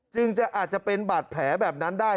อาจจะอาจจะเป็นบาดแผลแบบนั้นได้